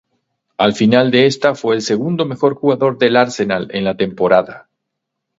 Al final de esta fue el segundo mejor jugador del Arsenal en la temporada.